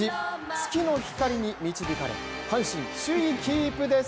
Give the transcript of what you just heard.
月の光に導かれ、阪神、首位キープです。